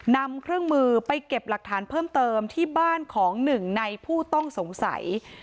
นำเครื่องมือไปเก็บหลักฐานเพิ่มเติมที่บ้านของหนึ่งในผู้ต้องสงสัย